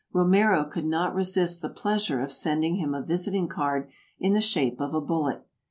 Romero could not resist the pleasure of sending him a visiting card in the shape of a bullet.